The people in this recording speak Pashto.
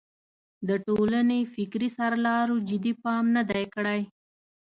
د ټولنې فکري سرلارو جدي پام نه دی کړی.